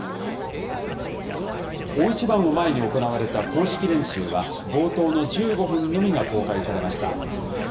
大一番を前に行われた公式練習は、冒頭の１５分のみが公開されました。